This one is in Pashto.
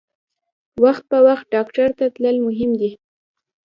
وخت په وخت ډاکټر ته تلل مهم دي.